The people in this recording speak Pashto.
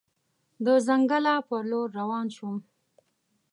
د ځنګله په لور روان شوم.